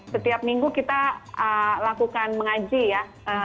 setiap minggu kita lakukan mengaji ya